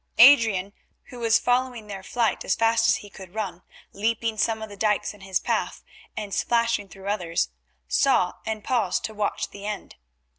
Adrian, who was following their flight as fast as he could run, leaping some of the dykes in his path and splashing through others, saw and paused to watch the end.